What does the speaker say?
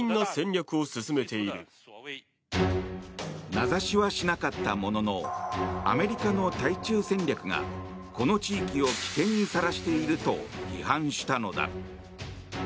名指しはしなかったもののアメリカの対中戦略がこの地域を危険にさらしていると批判したのだ。